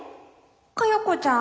嘉代子ちゃん？」。